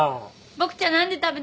ボクちゃん何で食べないの？